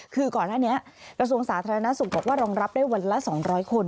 คือก่อนหน้านี้กระทรวงสาธารณสุขบอกว่ารองรับได้วันละ๒๐๐คน